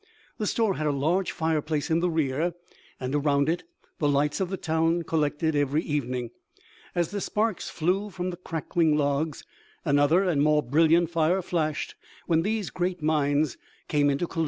The store had a large fire place in the rear, and around it the lights of the town collected every evening. As the sparks flew from the crackling logs, another and more brilliant fire flashed when these great minds came into collision.